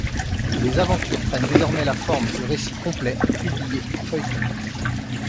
Les aventures prennent désormais la forme de récits complets, publiés en feuilleton.